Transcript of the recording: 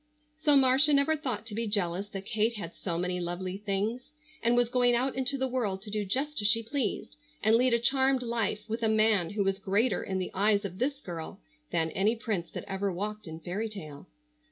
So Marcia never thought to be jealous that Kate had so many lovely things, and was going out into the world to do just as she pleased, and lead a charmed life with a man who was greater in the eyes of this girl than any prince that ever walked in fairy tale.